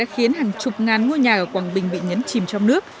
khiến hàng chục ngàn ngôi nhà ở quảng bình bị nhấn chìm trong nước